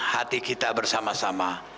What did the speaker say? hati kita bersama sama